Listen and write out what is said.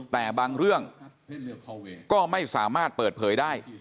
แต่บางเรื่องก็ไม่สามารถเปิดเผยได้